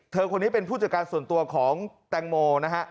คนนี้เป็นผู้จัดการส่วนตัวของแตงโมนะฮะ